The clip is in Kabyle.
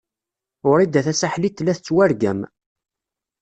Wrida Tasaḥlit tella tettwargam.